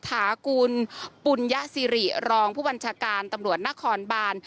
ถากุลปุญยสิริรองผู้บัญชาการตำรวจนครบาน